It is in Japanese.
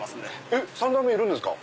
えっ⁉３代目いるんですか！